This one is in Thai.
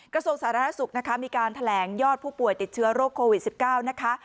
กระทรวงสาธารณสุขนะคะมีการแถลงยอดผู้ป่วยติดเชื้อโรคโควิด๑๙นะคะ